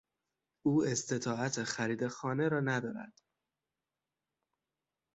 او استطاعت خرید خانه را ندارد.